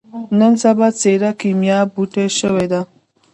نن سبا ځيره کېميا بوټی شوې ده.